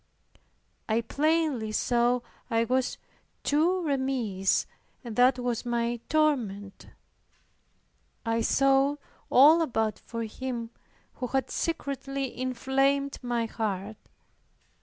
I plainly saw I was too remiss; and that was my torment. I sought all about for Him who had secretly inflamed my heart.